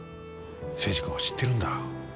征二君を知ってるんだ。